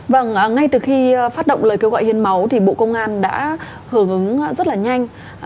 vâng ngay từ khi phát động lời kêu gọi hiến máu thì bộ công an đã hưởng ứng rất là nhanh